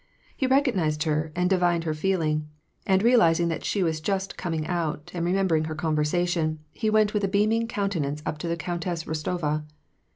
He recognized her, and divined her feeling ; and realizing that she was just "coming out," and remembering her conversation, he went with a beaming countenance up to the Countess Ros tova.